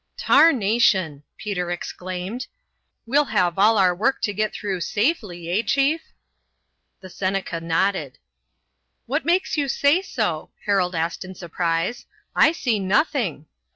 "Tarnation!" Peter exclaimed. "We'll have all our work to get through safely; eh, chief?" The Seneca nodded. "What makes you say so?" Harold asked in surprise. "I see nothing."